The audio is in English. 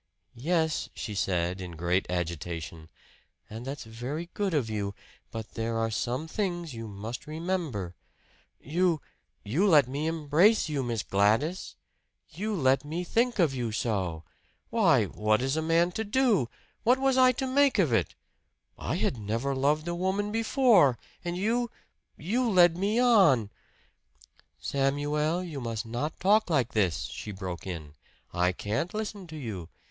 "Yes," she said in great agitation "and that's very good of you. But there are some things you must remember " "You you let me embrace you, Miss Gladys! You let me think of you so! Why, what is a man to do? What was I to make of it? I had never loved a woman before. And you you led me on " "Samuel, you must not talk like this!" she broke in. "I can't listen to you.